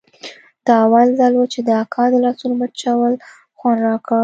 دا اول ځل و چې د اکا د لاسونو مچول خوند راکړ.